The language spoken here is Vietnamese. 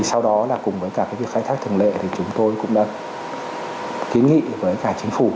sau đó là cùng với cả cái việc khai thác thường lệ thì chúng tôi cũng đã kiến nghị với cả chính phủ